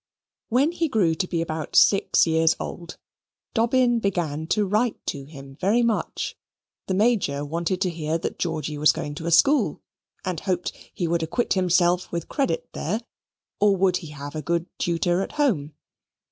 When he grew to be about six years old, Dobbin began to write to him very much. The Major wanted to hear that Georgy was going to a school and hoped he would acquit himself with credit there: or would he have a good tutor at home?